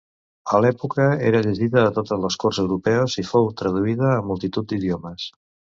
A l'època era llegida a totes les corts europees i fou traduïda a multitud d'idiomes.